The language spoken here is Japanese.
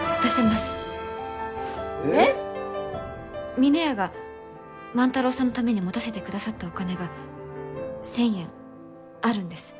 峰屋が万太郎さんのために持たせてくださったお金が１，０００円あるんです。